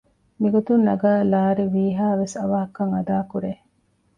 މިގޮތުން ނަގައި ލާރި ވީހައިވެސް އަވަހަކަށް އަދާކުރޭ